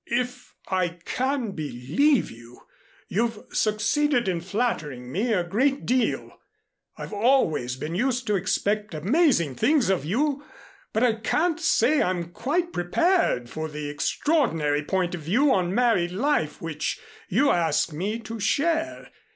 "If I can believe you, you've succeeded in flattering me a great deal. I've always been used to expect amazing things of you, but I can't say I'm quite prepared for the extraordinary point of view on married life which you ask me to share.